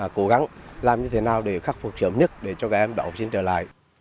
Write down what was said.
cố gắng làm như thế nào để khắc phục sớm nhất để cho các em đậu sinh trở lại